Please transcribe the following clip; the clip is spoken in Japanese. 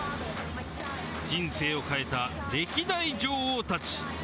人生を変えた歴代女王たち。